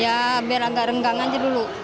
ya biar agak renggang aja dulu